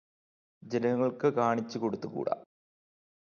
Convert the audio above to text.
ജനങ്ങൾക്ക് കാണിച്ചു കൊടുത്തൂക്കൂടാ